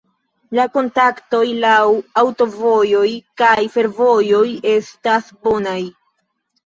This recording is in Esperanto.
La kontaktoj laŭ aŭtovojoj kaj fervojoj estas bonaj.